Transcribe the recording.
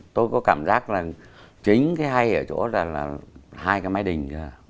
tôi có cảm giác là chính cái hay ở chỗ là hai cái máy đình